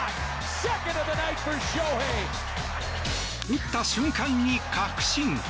打った瞬間に確信。